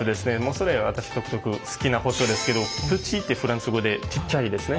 それ私好きな包丁ですけどペティってフランス語でちっちゃいですね。